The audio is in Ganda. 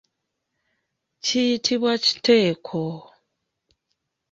Kiyitibwa kiteeko.